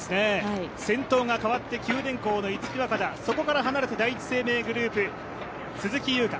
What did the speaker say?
先頭が変わって、九電工の逸木和香菜そこから離れて第一生命グループ・鈴木優花。